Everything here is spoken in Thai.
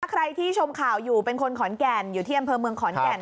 ใครที่ชมข่าวอยู่เป็นคนขอนแก่นอยู่ที่อำเภอเมืองขอนแก่น